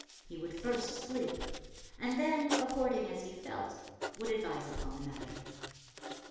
He would first sleep, and then, according as he felt, would advise upon the matter.